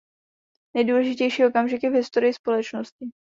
Nejdůležitější okamžiky v historii společnosti.